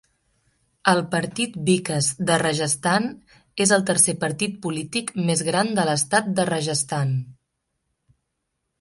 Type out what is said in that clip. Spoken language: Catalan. El Partit Vikas de Rajasthan és el tercer partit polític més gran de l'estat de Rajasthan.